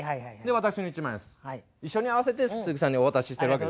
私の１万円一緒に合わせて鈴木さんにお渡ししてるわけでございますよ。